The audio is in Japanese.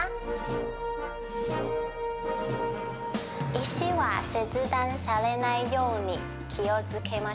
石は切断されないように気を付けましょう。